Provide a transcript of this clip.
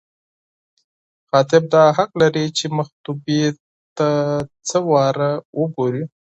خاطب دا حق لري، چي مخطوبې ته څو واره وګوري